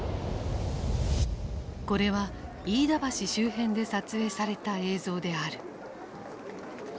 これは飯田橋周辺で撮影された映像である。